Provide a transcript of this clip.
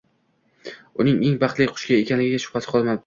Uning eng baxtli qush ekanligiga shubhasi qolmabdi